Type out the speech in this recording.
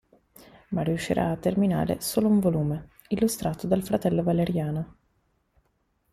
Ma riuscirà a terminare solo un volume, illustrato dal fratello Valeriano.